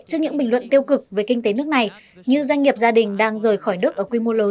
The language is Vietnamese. trước những bình luận tiêu cực về kinh tế nước này